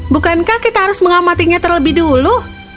bukankah kita harus mengamatinya terlebih dulu